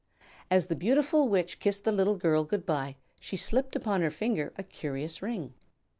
As the beautiful Witch kissed the little girl good bye she slipped upon her finger a curious ring.